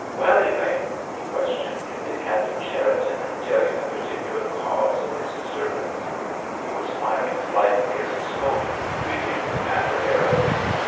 "Well, Elaine?" he questioned, "did Captain Cherriton tell you the particular cause of his disturbance?" He was smiling slightly as he spoke, treating the matter airily.